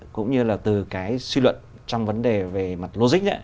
cũng như là từ cái suy luận trong vấn đề về mặt logic